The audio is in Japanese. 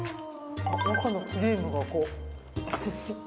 中のクリームがこう美味しい！